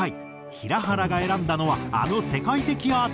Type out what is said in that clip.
平原が選んだのはあの世界的アーティスト。